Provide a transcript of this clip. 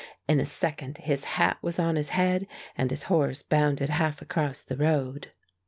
In a second his hat was on his head and his horse bounded half across the road.